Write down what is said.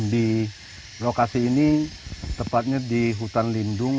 di lokasi ini tepatnya di hutan lindung